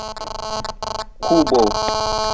kubo